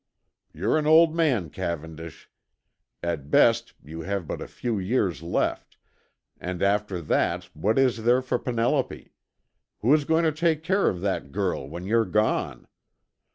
You're an old man, Cavendish. At best you have but a few years left, and after that what is there for Penelope? Who is going to take care of that girl when you're gone?